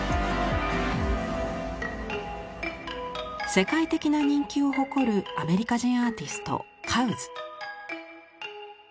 世界的な人気を誇るアメリカ人アーティストカウズ。